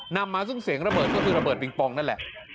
นำมาซึ่งเสียงระเบิดก็คือระเบิดปิงปองนั่นแหละ